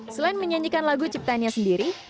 selain menyanyikan lagu ciptaannya sendiri